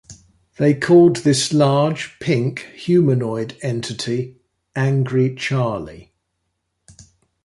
They called this large, pink, humanoid entity 'Angry Charlie'.